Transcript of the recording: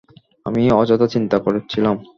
আমি অযথা চিন্তা করছিলাম।